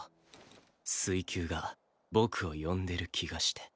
水球が僕を呼んでる気がして。